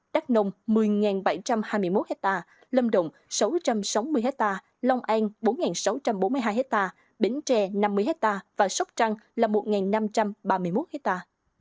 đắk nông một mươi bảy trăm hai mươi một ha lâm động sáu trăm sáu mươi ha long an bốn sáu trăm bốn mươi hai ha bỉnh tre năm mươi ha và sóc trăng một năm trăm ba mươi một ha